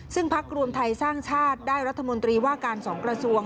ซึ่งพักรวมไทยสร้างชาติได้รัฐมนตรีว่าการสองกระทรวง